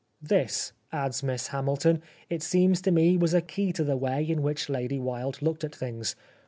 This," adds Miss Hamilton, " it seems to me, was a key to the way in which Lady Wilde looked at things.